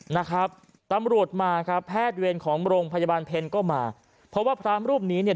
นะครับตำรวจมาครับแพทย์เวรของโรงพยาบาลเพลก็มาเพราะว่าพระรูปนี้เนี่ย